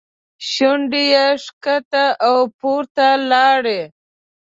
شونډې یې ښکته او پورته لاړې.